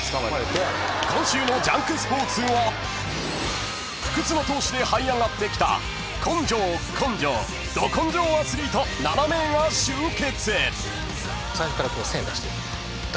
［今週の『ジャンクＳＰＯＲＴＳ』は不屈の闘志ではい上がってきた根性根性ど根性アスリート７名が集結］